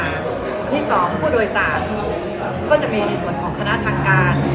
ที่สองผู้โดยสารก็จะมีในส่วนของคณะทางการ